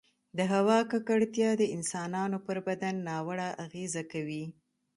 د هـوا ککـړتيـا د انسـانـانو پـر بـدن نـاوړه اغـېزه کـوي